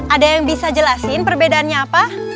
ada yang bisa jelasin perbedaannya apa